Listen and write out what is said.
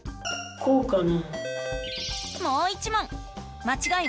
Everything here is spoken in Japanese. こうかな？